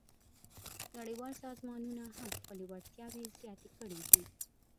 نړیوال سازمانونه هم خپلې وړتیاوې زیاتې کړې دي